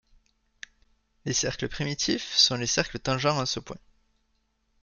Les cercles primitifs sont les cercles tangents en ce point.